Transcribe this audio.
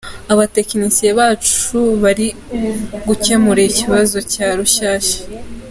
Abatekinisiye bacu bari gukemura ikibazo cya Rushyashya.